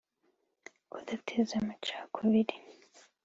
kudateza amacakubiri